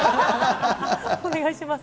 お願いします。